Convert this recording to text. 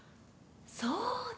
そうだ。